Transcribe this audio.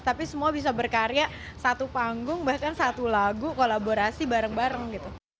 tapi semua bisa berkarya satu panggung bahkan satu lagu kolaborasi bareng bareng gitu